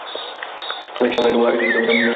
আমি সামলে নেব।